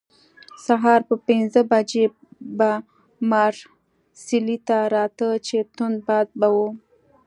سهار پر پنځه بجې به مارسیلي ته راته، چې توند باد به وو.